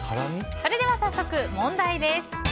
それでは早速、問題です。